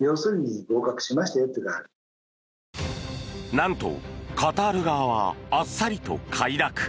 なんと、カタール側はあっさりと快諾。